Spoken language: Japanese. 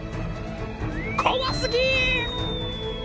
怖すぎ！